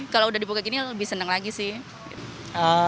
kalau sudah dibuka gini lebih senang lagi sih